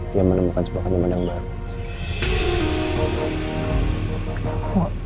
dia menemukan sebuah kandungan yang baik